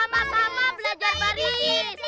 sama sama belajar baris